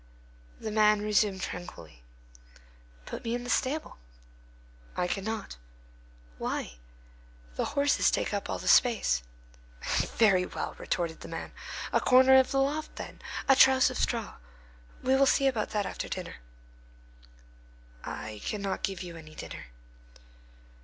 The man resumed tranquilly, "Put me in the stable." "I cannot." "Why?" "The horses take up all the space." "Very well!" retorted the man; "a corner of the loft then, a truss of straw. We will see about that after dinner." "I cannot give you any dinner."